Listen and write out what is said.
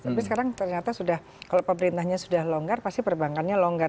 tapi sekarang ternyata sudah kalau pemerintahnya sudah longgar pasti perbankannya longgar